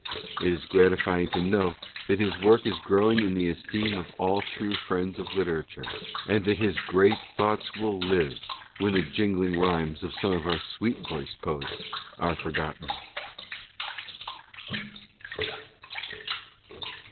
It is gratifying to know that his work is growing in the esteem of all true friends of literature, and that his great thoughts will live when the jingling rhymes of some of our sweet voiced poets are forgotten.